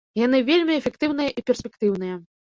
Яны вельмі эфектыўныя і перспектыўныя.